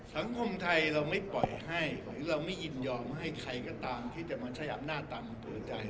สังคมไทยเราไม่ปล่อยให้เราไม่อินยอมให้ใครก็ตามที่จะมาชะยับหน้าต่างหัวใจ